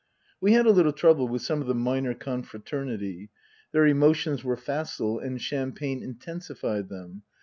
We had a little trouble with some of the minor confra ternity their emotions were facile and champagne intensi fied them.